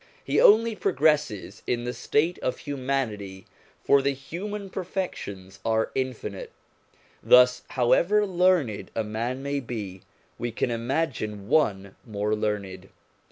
He only progresses in the state of humanity, for the human perfections are infinite. Thus, however learned a man may be, we can imagine one more learned.